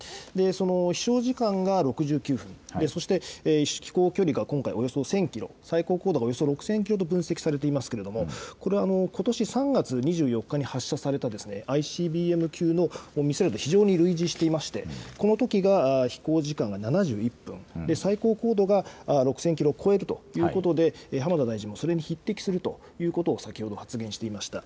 その飛しょう時間が６９分、そして飛行距離が今回およそ１０００キロ、最高高度がおよそ６０００キロと分析されていますけれども、これはことし３月２４日に発射されたＩＣＢＭ級のミサイルと非常に類似していまして、このときが飛行時間が７１分、最高高度が６０００キロを超えるということで、浜田大臣もそれに匹敵するということを先ほど発言していました。